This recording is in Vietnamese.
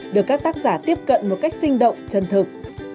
được các tác giả tiếp cận một cách sinh động chân thực